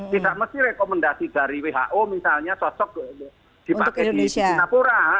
tidak mesti rekomendasi dari who misalnya sosok dipakai di singapura